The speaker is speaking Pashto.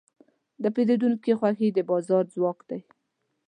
د پیرودونکي خوښي د بازار ځواک دی.